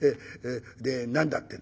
で何だって？」。